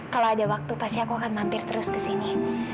kalau ada waktu pasti aku akan mampir terus kesini